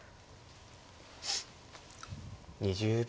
２０秒。